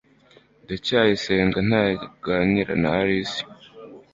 ndacyayisenga ntaganira na alice